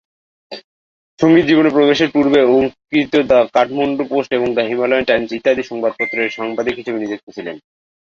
সঙ্গীত জীবনে প্রবেশের পূর্বে অঙ্কিত দ্য কাঠমান্ডু পোস্ট এবং দ্য হিমালয়ান টাইমস ইত্যাদি সংবাদপত্রে সাংবাদিক হিসেবে নিযুক্ত ছিলেন।